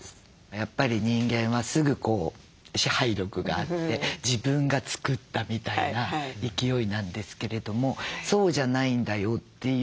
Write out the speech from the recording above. やっぱり人間はすぐ支配力があって自分が作ったみたいな勢いなんですけれどもそうじゃないんだよっていう。